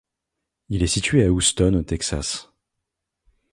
Il est situé à Houston au Texas.